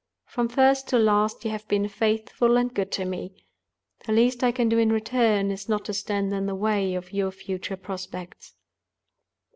From first to last you have been faithful and good to me. The least I can do in return is not to stand in the way of your future prospects."